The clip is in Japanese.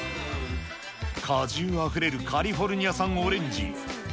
果汁あふれるカリフォルニア産オレンジ。